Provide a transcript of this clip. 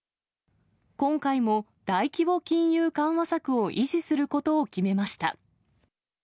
今回も大規模金融緩和策を維持することを決めました。